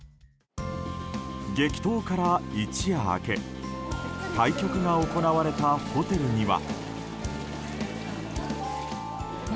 激闘から一夜明け対局が行われたホテルには。